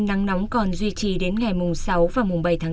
nắng nóng còn duy trì đến ngày mùng sáu và mùng bảy tháng bốn